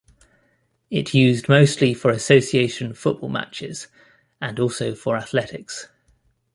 It used mostly for association football matches and also for athletics.